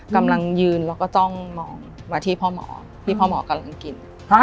กำลังยืนแล้วก็จ้องมองที่พ่อหมอกำลังกิน